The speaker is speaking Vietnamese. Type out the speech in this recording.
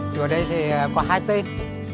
chùa đây có hai tên